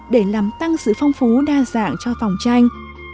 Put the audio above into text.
để làm tăng sự phong phú đa dạng cho phòng tranh